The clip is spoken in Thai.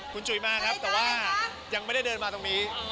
คุณจุ๋ยมาครับแต่ว่ายังไม่ได้เดินมาตรงนี้